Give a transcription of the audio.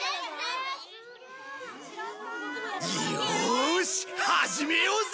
よし始めようぜ！